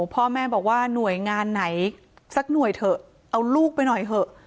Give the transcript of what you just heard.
พ่อแม่บอกว่าหน่วยงานไหนสักหน่วยเถอะเอาลูกไปหน่อยเถอะ